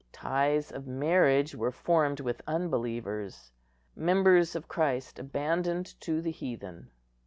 Ties of marriage were formed with unbelievers; members of Christ abandoned to the heathen.